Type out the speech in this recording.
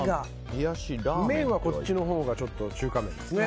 麺はこっちのほうが中華麺ですね。